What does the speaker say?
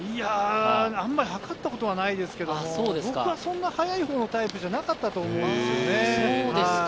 あまり測ったことはないですけど、僕はそんなに速い方のタイプじゃなかったと思いますね。